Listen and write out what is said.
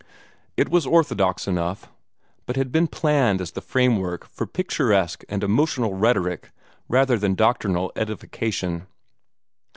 It was orthodox enough, but had been planned as the framework for picturesque and emotional rhetoric rather than doctrinal edification.